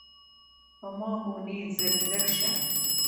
پۀ ما غونے زګ زګ شۀ ـ